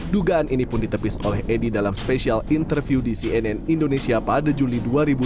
dugaan ini pun ditepis oleh edi dalam spesial interview di cnn indonesia pada juli dua ribu dua puluh